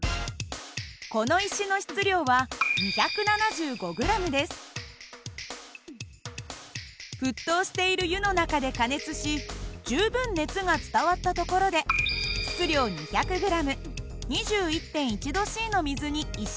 この石の質量は沸騰している湯の中で加熱し十分熱が伝わったところで質量２００ｇ２１．１℃の水に石を入れます。